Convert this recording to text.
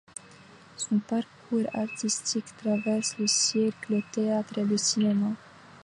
Son parcours artistique traverse le cirque, le théâtre et le cinéma.